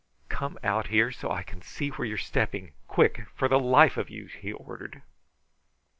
"Come out here so I can see where you are stepping. Quick, for the life of you!" he ordered.